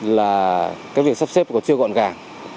là cái việc sắp xếp còn chưa gọn gàng